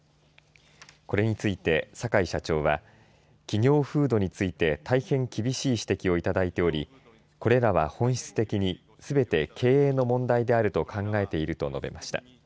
これについて坂井社長は企業風土について大変厳しい指摘をいただいておりこれらは本質的にすべて経営の問題であると考えていると述べました。